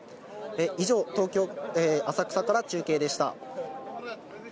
以上、東京・浅草から中継でした。